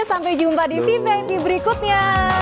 sampai jumpa di vbank di berikutnya